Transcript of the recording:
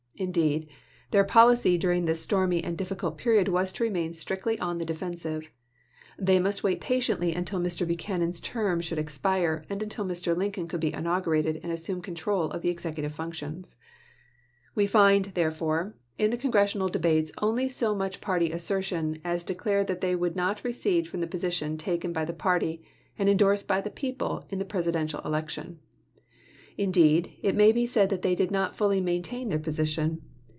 Indeed, their policy during this stormy and difficult period was to remain strictly on the defensive. They must wait patiently until THE CONSTITUTIONAL AMENDMENT 237 Mr. Buchanan's term should expire, and until Mr. chap. xv. Lincoln could be inaugurated and assume control of the executive functions. We find, therefore, in the Congressional debates only so much party assertion as declared that they would not recede from the position taken by the party and indorsed by the people in the Presidential election. Indeed, it may be said that they did not fully maintain their position.